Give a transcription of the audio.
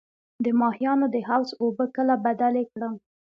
د ماهیانو د حوض اوبه کله بدلې کړم؟